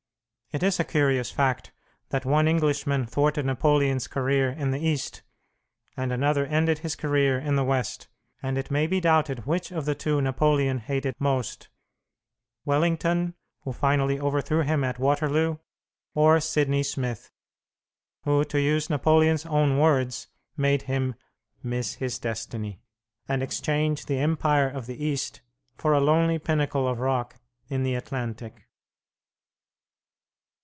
It is a curious fact that one Englishman thwarted Napoleon's career in the East, and another ended his career in the West, and it may be doubted which of the two Napoleon hated most Wellington, who finally overthrew him at Waterloo, or Sidney Smith, who, to use Napoleon's own words, made him "miss his destiny," and exchange the empire of the East for a lonely pinnacle of rock in the Atlantic.